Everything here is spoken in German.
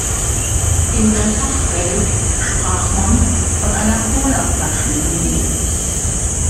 In der Fachwelt sprach man von einer "Colaflaschen-Linie".